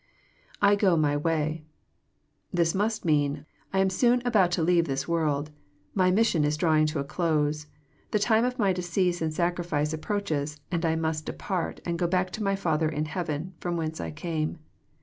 II go my way."] This must mean, <* I am soon about to leave this world. My mission is drawing to a close. The time of My decease and sacrifice approaches, and I must depart, and go back to My Father in heaven, ft om whence I came.